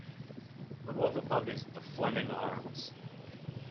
The local pub is "The Fleming Arms".